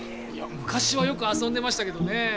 昔はよく遊んでましたけどね